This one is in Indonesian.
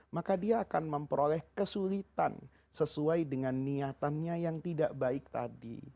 maka dia akan memperoleh kesulitan sesuai dengan niatannya yang tidak baik tadi